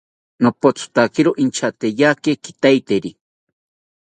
Nopothotakiro inchateyaki kiteriri